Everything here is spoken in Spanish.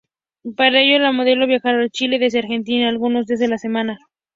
Para ello, la modelo viajaría a Chile desde Argentina algunos días de la semana.